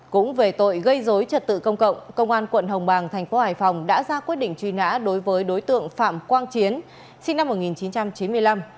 cũng về tội gây dối trật tự công cộng công an quận hồng bàng tp hải phòng đã ra quyết định truy nã đối với đối tượng phạm quang chiến sinh năm một nghìn chín trăm chín mươi năm